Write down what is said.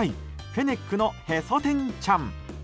フェネックのへそ天ちゃん。